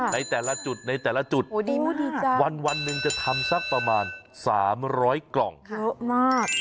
ในแต่ละจุดในแต่ละจุดวันหนึ่งจะทำสักประมาณ๓๐๐กล่องเยอะมาก